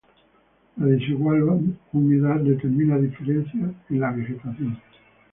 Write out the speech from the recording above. La desigual humedad determina diferencias en la vegetación.